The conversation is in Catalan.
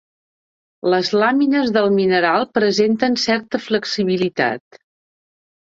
Les làmines del mineral presenten certa flexibilitat.